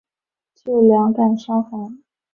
治两感伤寒。